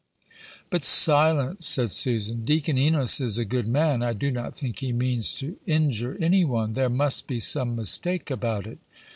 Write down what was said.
"But, Silence," said Susan, "Deacon Enos is a good man: I do not think he means to injure any one; there must be some mistake about it."